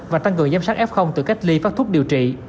và tăng cường giám sát f từ cách ly phát thuốc điều trị